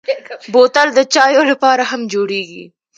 بوتل د چايو لپاره هم جوړېږي.